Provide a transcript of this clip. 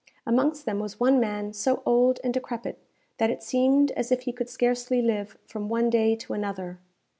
Amongst them was one man so old and decrepit, that it seemed as if he could scarcely live from one day to another.